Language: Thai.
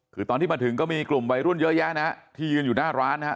คือตอนที่มาถึงก็มีกลุ่มวัยรุ่นเยอะแยะนะฮะที่ยืนอยู่หน้าร้านนะฮะ